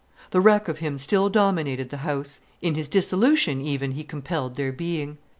The wreck of him still dominated the house, in his dissolution even he compelled their being.